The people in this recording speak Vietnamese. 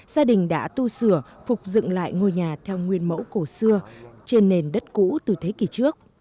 gia đình đã tu sửa phục dựng lại ngôi nhà theo nguyên mẫu cổ xưa trên nền đất cũ từ thế kỷ trước